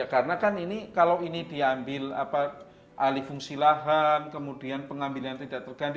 karena kan ini kalau ini diambil alih fungsi lahan kemudian pengambilan tidak terganti